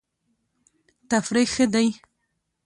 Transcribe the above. تفریح ښه دی.